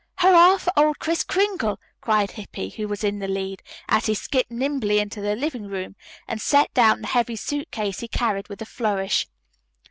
"Hurrah for old Kris Kringle!" cried Hippy, who was in the lead, as he skipped nimbly into the living room, and set down the heavy suit case he carried with a flourish.